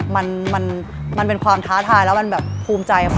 มันมันเป็นความท้าทายแล้วมันแบบภูมิใจ